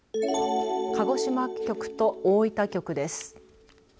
鹿児島局と大分局です。